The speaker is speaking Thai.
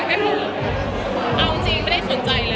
เอ้าจริงไม่ได้สนใจเลย